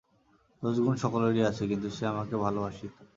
দোষগুণ সকলেরই আছে, কিন্তু সে আমাকে ভালোবাসিত।